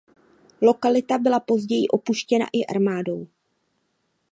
Lokalita byla později opuštěna i armádou.